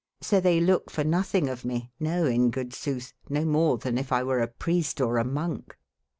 Sotbeylokefornotbingeof me, no in good sotbe, no more tben yf I were a priest or a monke.